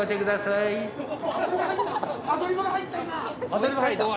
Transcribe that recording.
アドリブが入った今！